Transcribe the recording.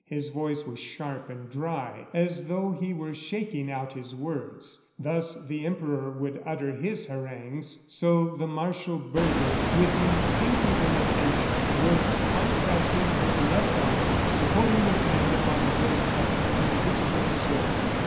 His voice was sharp and dry as though he were shaking out his words. ... Thus the Emperor would utter his harangues, so the martial burgher, with instinctive imitation, was contracting his left arm, supporting his hand upon the hilt of an invisible sword.